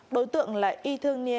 đối tượng là y thương nghê